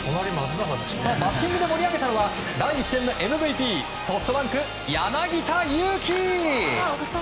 バッティングで盛り上げたのは第１戦のＭＶＰソフトバンク、柳田悠岐。